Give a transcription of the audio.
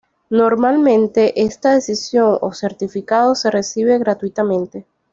Normalmente esta decisión o certificado se recibe gratuitamente.